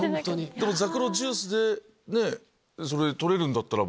ザクロジュースでそれ取れるんだったらば。